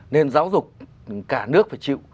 nên giáo dục cả nước phải chịu